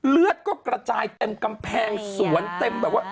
เลือดก็กระจายเต็มกำแพงสวนเต็มแบบว่า